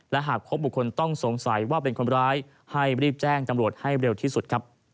และหากพบบุคคลต้องสงสัยว่าเป็นคนร้ายให้รีบแจ้งจำรวจให้เร็วที่สุดครับ